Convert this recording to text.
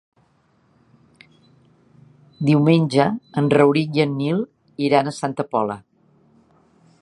Diumenge en Rauric i en Nil iran a Santa Pola.